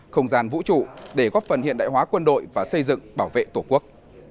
không gian vũ trụ để góp phần hiện đại hóa quân đội và xây dựng bảo vệ tổ quốc